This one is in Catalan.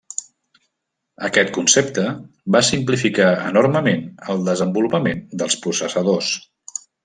Aquest concepte va simplificar enormement el desenvolupament dels processadors.